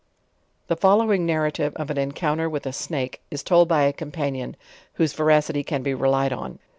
The following narrative of an encounter with a Snake it told by a companion, whose veracity can be relied on.